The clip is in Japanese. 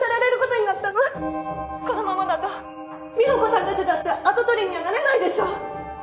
このままだと美保子さんたちだって跡取りにはなれないでしょ？